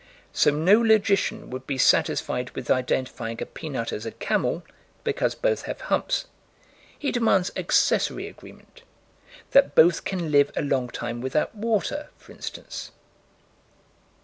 So no logician would be satisfied with identifying a peanut as a camel, because both have humps: he demands accessory agreement that both can live a long time without water, for instance.